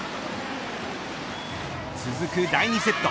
続く第２セット